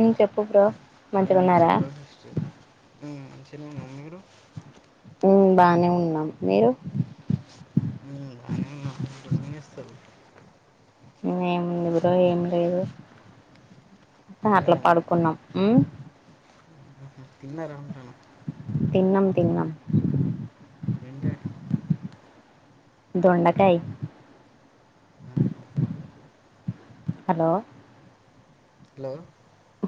మ్.. చెప్పు బ్రో మ్ మంచిగున్నారా చెప్పండి సిస్టర్ మ్ మీరు మ్ బానే ఉన్నాం మీరు మ్మ్. బాగానే ఉన్నాం ఇప్పుడు ఏం చేస్తారు ఏం ఉంది బ్రో ఏం లేదు అట్లా పడుకున్నాం తిన్నార అంటున్న తిన్నాం తిన్నం ఏం కర్రీ దొండకాయ్ మ్ హలో హలో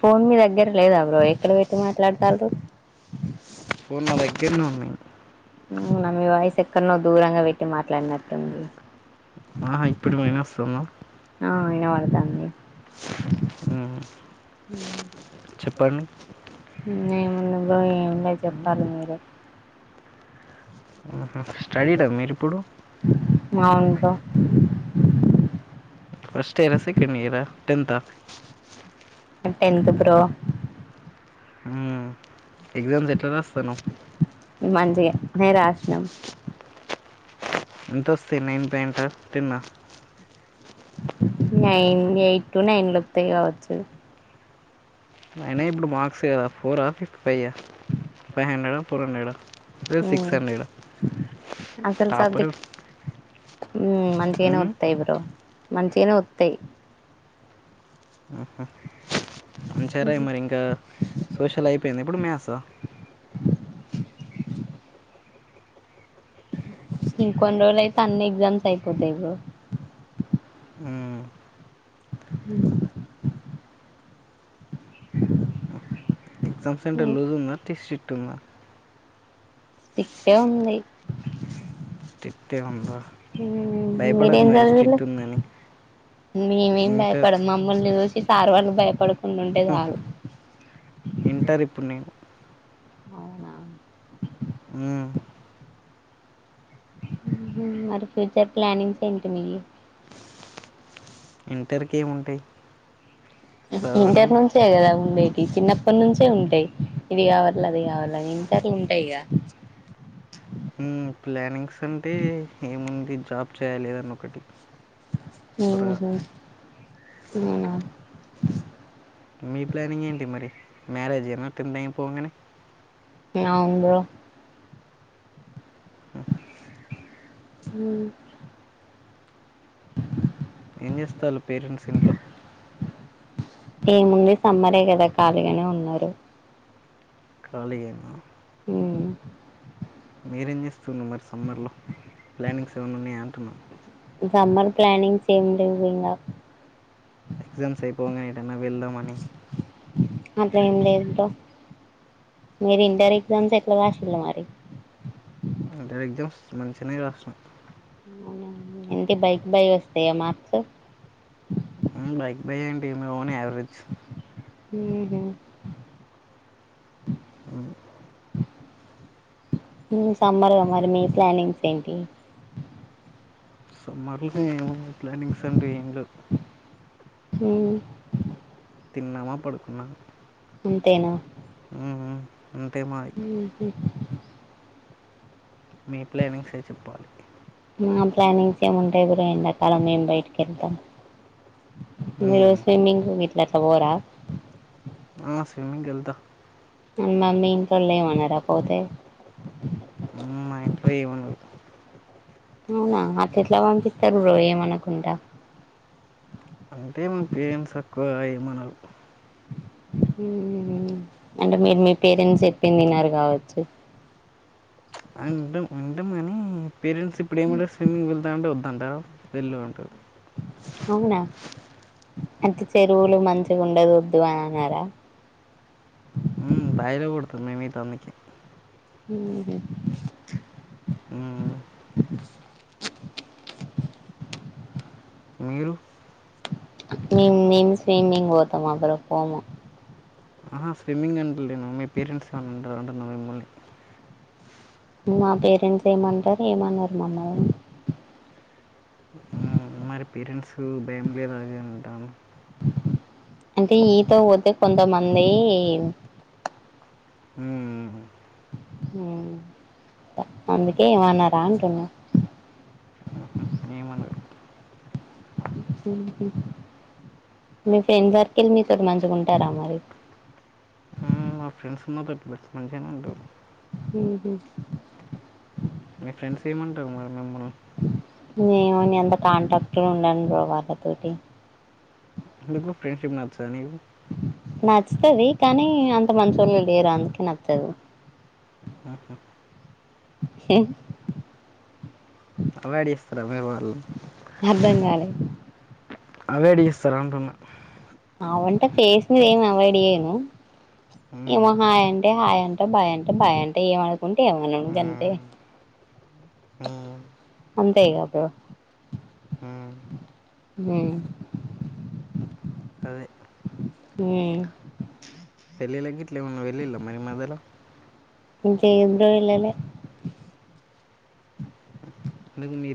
ఫోన్ మీ దగ్గర లేదా బ్రో ఎక్కడ పెట్టి మాట్లాడతాండ్రు పోన్ నా దగ్గరనే ఉన్నాయి మ్.. న మీ వాయిస్ అక్కడనో దూరంగా పెట్టి మాట్లాడినట్టుంది ఆ ఇప్పుడు మేనా వస్తుంద అ ఇనపడతాంది మ్.. చెప్పండి [unintelligible] అే [unintelligible] మ్మ్. చెప్పాలి మీరె స్టడీడ మీరి ఇప్పుడు అవును బ్రో ఫస్టైరా సెకెండ్ ఇయర్ టెన్తా టన్త్ బ్రో ఉమ్మ్ ఎగ్జామ్స్ ఎట్లాలా రాస్తన్నావ్ మంచిగా నే రాసినాం ఎంత వస్తాయి నైన్ పాయింట్ ఆ టెన్ ఆ నైన్ ఎయిట్ టు నైన్ లొత్తాయి కావచ్చు అయినా ఇప్పుడు మార్క్స్ కదా ఫోరా ఫిఫ్టీ ఫైవ్ ఆ ఫైవ్ హండ్రెడా ఫోర్ హండ్రెడ్ ఆ లేదు సిక్స్ ఉమ్మ్ అసలు సబ్జి టాపర్ ఉమ్మ్ మంచిగనే వత్తయి బ్రో మంచిగనే వత్తయి ఊహూ ఉంచారా మరి ఇంకా సోషల్ అయిపోయింది ఇప్పుడు మ్యాస్ ఆ ఇంకొన్ని రోజులయితే అన్ని ఎగ్జామ్స్ అయిపోతాయి బ్రో హ్మ్ ఎగ్జామ్స్ సంటర్ ఇంకా లూజుందా టి సి టుంగ స్టిక్టే ఉంది స్ట్రిక్టే ఉందా భయపడకు మీరేం మరి చదివిళ్ళు స్ట్రిక్ట్ ఉందని మేమేం ఇంటర్ భయపడం మమ్మల్ని చూసి సార్ వాళ్ళు భయపడు హ్ ఇంటర్ ఇప్పుడు నేను అవునా ఊ ఊహూ మరి ఫ్యూచర్ ప్లానింగ్స్ ఏంటి మీవి ఇంటర్కి ఏముంటాయి చదవడం ఇంటర్ నుంచే గదా ఉండే టి చిన్నప్పటి నుంచే ఉంటాయి ఇది కావాల అది కావాల అని ఇంటర్ లుంటాయిగా మ్మ్. ప్లానింగ్స్ అంటే ఏముంది జాబ్ చేయాలి ఏదన్నా ఒకటి మ్మ్ త్వరగా హూ [unintelligible] మీ ప్లానింగ్ ఏంటి మరి మ్యారేజ్ ఏదైనా టెన్ ఐపోంగానే అవును బ్రో ఊ ఏం చేస్తాళ్ళు పేరెంట్స్ ఇంట్లో ఏముంది సమ్మరే కదా ఖాళీగానే ఉన్నారు ఖాళీగానా ఉమ్మ్ మీరేం చేస్తున్ను మరి సమ్మర్లో ప్లానింగ్స్ ఏమైన్నున్నయా అంటున్నా సమ్మర్ ప్లానింగ్స్ ఏం లెవ్ ఇంగ ఎగ్సామ్స్ ఐపోంగానే ఎటన్న వెళ్దామని అట్లా ఏం లేదు బ్రో మీరు ఇంటర్ ఎగ్జామ్స్ ఎట్లా రాసిల్ల మరి ఇంటర్ ఎగ్జామ్స్ మంచిగనే రాసిన అవునా ఎంత బై కి బై వస్తయా మాార్క్స్ ఉమ్మ్ బై కి బై ఏంటి మా ఓన్ యావరేజ్ మ్ హు అ హు సమ్మర్గా మరి మీ ప్లానింగ్స్ ఏంటి సమ్మర్ల ఏముంది ప్లానింగ్స్ అంటు ఏం లెవ్ హుమ్ తిన్నామా పడుకున్నా అంతేనా అంతే మాది మీ ప్లానింగ్సే చెప్పాలి మా ప్లానింగ్స్ ఏముంటయి బ్రో ఎండాకాలం ఏం బయటికెళ్తం మీరు స్విమింగ్ కు గిట్ల ట్లవోరా ఆ స్విమ్మింగ్ కెళ్తా మమ్మామ్మి ఇంట్లోళ్లెం ఏమనరా పోతే ఉ మా ఇంట్లో ఏమనరు అవునా అట్లేట్ల పంపిత్తరు బ్రో ఏమనకుంట అంటే మ పేరెంట్స్ ఎక్కువ ఏమనరు హు అంటే మీర్ మీ పేరెంట్స్ చెప్పింది యినరు కావచ్చు అ ఇంటం వింటం గాని పేరెంట్స్ ఇప్పడెమంటారు స్విమ్మింగ్ వెళ్తాంటే ఒద్ దంటార వెళ్లు అంటారు అవునా అంటే చెరువులు మంచిగా ఉండదు ఒద్దు అని అనరా ఉమ్ బాయిల కొడుతం మేం ఈత అందుకే మ్ హు మీరు మేం మేం స్విమ్మింగ్ పోతమ బ్రో పోము ఆహ స్విమ్మింగ్ అంటలేను మీ పేరెంట్స్ ఏమన్నా అంటారా అంటన మిమ్మల్ని మా పేరెంట్స్ ఏమంటరు ఏమనరు మమ్మల్ని హ్మ్. మరి పేరెంట్స్ భయం లేద అది ఇది అని అంటనవ్ అంటే ఈతక్ పోతే కొంతమంది మ్ మ్ హు అందుకే ఏమనరా అంటున్న ఏమనరు మీ ఫ్రెండ్ సర్కిల్ మీతోటి మంచిగా ఉంటారా మరి హ్మ్. మా ఫ్రెండ్స్ మాతోటి మంచిగనే ఉంటరు మ్ హు మీ ఫ్రెండ్స్ ఏమంటరు మరి మిమ్ముల్ నేవో నేఅంత కాంటాక్ట్ లో ఉండను బ్రో వాళ్లతోటి ఎందుకు ఫ్రెండ్షిప్ నచ్చద నీకు నచ్చుతది కానీ అంత మంచోళ్ళు లేరు అందుకే నచ్చదు అ హ హే అవాయిడ్ జేస్తర మీ వొళ్ళు అర్థం గాలే అవాయిడ్ చేస్తారా అంటున్నా అవ్ అంటే ఫేస్ మీద ఏమి అవాయిడ్ జేయను ఏమో హ్మ్. హాయ్ అంటే హాయ్ అంట భాయ్ అంటే భాయ్ అంట ఏమనకుంటే ఏమను హ్మ్. గంతే హ్మ్. అంతేగ బ్రో హ్మ్. హు అదే ఊ లైక్ ఇట్లా ఏమన్నా వెళ్ళిందా మై మదర్ ఇంకేం చేయాలలె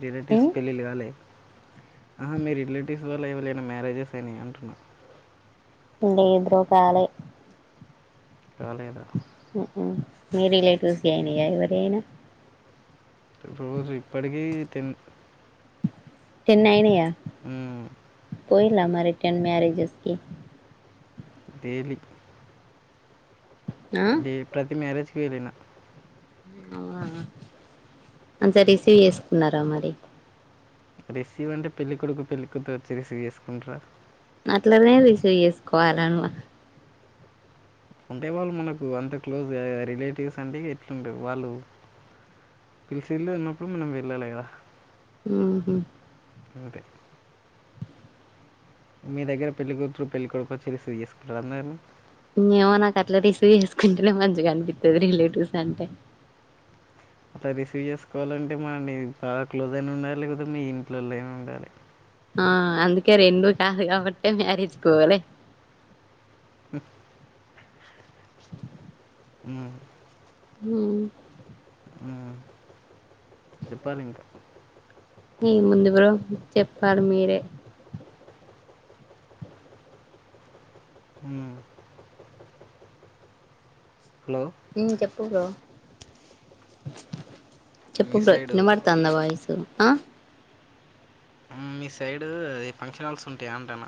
కిరటిక్స్ హ్మ్ పెళ్లిళ్లు కాలె ఆహా మీ రిలేటివ్స్ వల్ల ఏవలియైనా మ్యారేజెస్ అయినయ అంటున్నా లేదు బ్రో కాలే కాలేద మీ రిలేటివ్స్ కి అయినాయ ఎవరి అయినా రోజు ఇప్పటికీ తిన్ టెన్ అయినయా పోయిలా మరి టెన్ మ్యారేజెస్కి డేలీ ఆ ఏ ప్రతి మ్యారేజ్ ఏదైనా అ అంత రిసీవ్ చేసుకున్నారా మరి రిసీవ్ అంటే పెళ్ళికొడుకు పెళ్ళికూతురు వచ్చి రిసీవ్ చేసుకుంటారా అట్లనే రిసీవ్ చేసుకోవాలే ఉంటే వాళ్ళు మనకు అంత క్లోజ్ రిలేటివ్స్ అంటే ఎట్లుండ వాళ్ళు పిలిసిందే ఉన్నప్పుడు మనం వెళ్ళాలే కదా ఉహు అదే మీ దగ్గర పెళ్లికూతురు పెళ్లికొడుకు వచ్చి రిసీవ్ చేసుకుంటరా అందరిని ఏమో నాకు అట్లా రిసీవ్ చేసుకుంటేనే మంచిగా అనిపితది రిలేటివ్స్ అంటే అట్లా రిసీవ్ చేస్ చేసుకోవాలంటే మనల్ని చాలా క్లోజ్ ఐనా ఉండాలి లేదా మీ ఇంట్లోలైనా ఉండాలి. ఆ అందుకే రెండూ కాదు కాబట్టే మ్యారేజ్కి పోలే ఉ ఉ చెప్పాలింకా ఏముంది బ్రో చెప్పాలి మీరే ఉ హలో ఇంకెప్ పుడు చెప్పు మీ ప సైడు వినపడతందా వాయిసు ఆ మీ సైడు అది ఫంక్షన్ హాల్స్ ఉంటాయా అంటన్న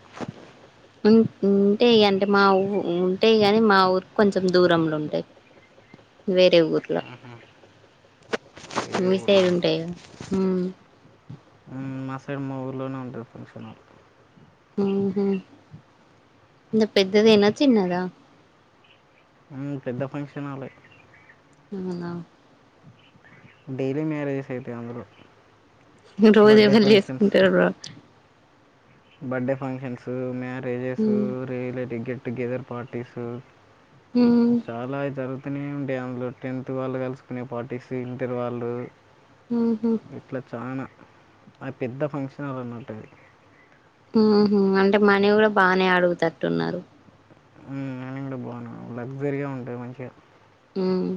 ఉ ఉంటయి అంటే మా ఊ ఉంటయి నీ మా ఊరు కొంచెం దూరంలో ఉంటాయి వేరే ఊర్లో వేరే మీ సైడ్ ఊర్లోనా? ఉంటాయా ఉ హ్మ్. మా సైడ్ మా ఊర్లోనే ఉంటది ఫంక్షన్ హాల్ ఉహు ఇంకా పెద్దదేనా చిన్నదా పెద్ద ఫంక్షన్ హాలే అవునా డైలీ మ్యారేజెస్ అయితాయి అందులో రోజు బర్త్డే ఎవలు చేసుకుంటారు బ్రో బర్డే ఫంక్షన్స్ ఉన్నాయా రేజేసు ఉమ్ రైల్వే టికె టుగెదర్ పార్టీస్ ఉమ్ చాలా అయితారు అన్నీ ఉంటాయి అందులో టెన్త్ వాళ్ళు కలుసుకునే పార్టిస్ ఇంటర్ వాళ్ళు ఉహు ఇట్లా చానా అది పెద్ద ఫంక్షన్ హాల్ అన్నట్టది. ఉహు అంటే మనీ కూడా బాగానే అడుగుతట్టున్నారు. హ్మ్. అయినా కూడా బానే లగ్జరీగా ఉంటాయి మంచిగా ఊమ్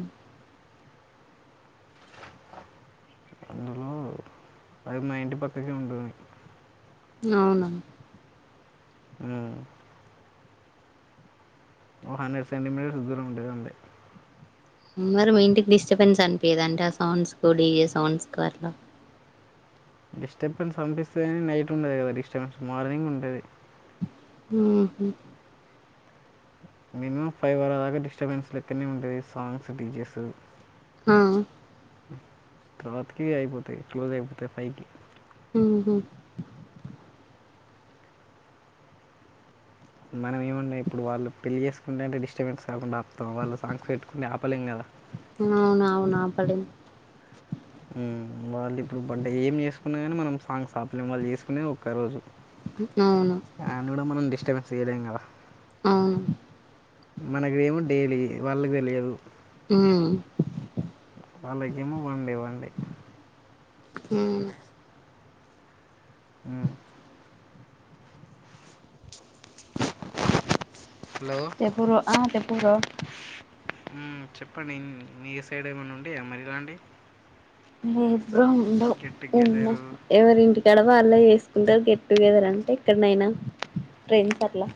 అందులో అది మా ఇంటి పక్కకే ఉంటుంది. అవును హ్మ్. ఓ హండ్రెడ్ సెంటీమీటర్స్ దూరం ఉండేదండి మరి మీ ఇంటికి డిస్టర్బెన్స్ అనిపియదాఅండి ఆ సౌండ్స్ కు డీజే సౌండ్స్ కు అట్ల డిస్టర్బెన్స్ అనిపిస్తది కాని నైట్ ఉండదు మరి డిస్టర్బెన్స్ మార్నింగ్ ఉంటది మ్ హు మ్ ఫైవర్లాగా డిస్టర్బెన్స్ లెక్కనే ఉంటది సాంగ్స్ డీ జె స్ ఆ తరవాతకి అయిపోతాయి క్లోజ్ అయిపోతాయి ఫైవ్ కి ఉహు మనం ఏమున్నయ్ ఇప్పుడు వాళ్ళు పెళ్ళి చేసుకుంటుంటే డిస్టర్బెన్స్ కాకుండా పాపం వాళ్ళు సాంగ్స్ పెట్టుకుంటె ఆపలేం కదా అవును అవును ఆపలేం మ్ వాళ్ళు ఇప్పుడు బడ్డే ఏం చేసుకున్న కానీ మనం సాంగ్స్ ఆపలేం వాళ్ళు చేసుకునేది ఒక్క రోజు అవును అలని కూడా మనం డిస్టర్బెన్స్ చేయలేం కదా అవును మనకెమో డైలీ వాళ్ళకు తెలియదు మ్ వాళ్ళ కేమొ వన్డే వన్డే మ్.. మ్.. హలో చెప్ బ్రొ ఆ చెప్పు బ్రో మ్.... చెప్పండి మీ సైడ్ ఏమైన్న ఉంటయ మరి ఇలాంటియ్ లేదు బ్రో ఉండవు ఉన్నా టుగెదరు ఎవరి ఇంటి కాడ వాళ్ళె చేసు పాలు గెట్ టు గెదర్ అంటే ఎక్కడనైనా ట్రెండ్స్ అట్లా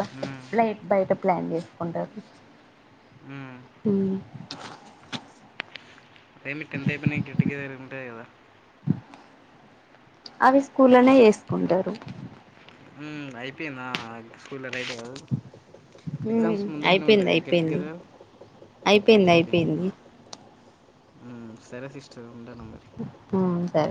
బ బ్లైట్ బయట ప్లాన్ చేసుకుంటారు మ్ ఏ మీ టెన్త్ అయిపొయినయ్ గెట్ టుగెదర్ [unintelligible] అవి స్కూల్లోనే చేసుకుంటారు మ్... అయిపోయినా స్కూల్ అయిపొయా ఎగ్జామ్స్ ముందరనే అయిపోయింది ఉంటాయా గెట్ అయిపోయింది టుగెదర్ అయిపోయింది అయిపోయింది సరసి ఇస్ ఉండను అ సరే